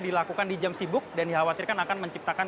dilakukan di jam sibuk dan dikhawatirkan akan menciptakan